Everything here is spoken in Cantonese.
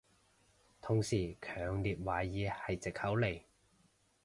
同事強烈懷疑係藉口嚟